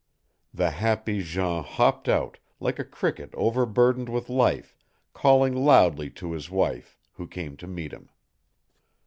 The happy Jean hopped out, like a cricket over burdened with life, calling loudly to his wife, who came to meet him.